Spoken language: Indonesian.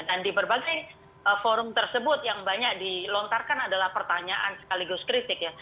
dan di berbagai forum tersebut yang banyak dilontarkan adalah pertanyaan sekaligus kritik